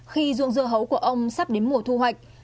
khi ruộng dưa hấu của ông sắp đến mùa thu hoạch